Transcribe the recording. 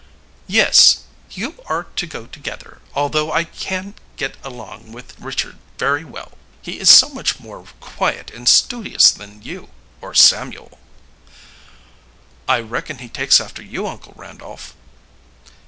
"Yes, you are to go together, although I can get along with Richard very well, he is so much more quiet and studious than you or Samuel." "I reckon he takes after you, Uncle Randolph."